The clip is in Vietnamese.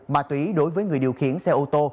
ma túy đối với người điều khiển xe ô tô